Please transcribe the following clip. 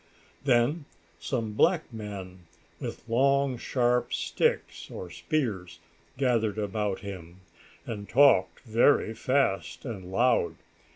Then some black men, with long sharp sticks, or spears, gathered about him, and talked very fast and loud.